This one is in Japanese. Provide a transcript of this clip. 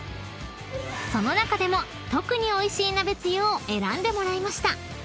［その中でも特においしい鍋つゆを選んでもらいました］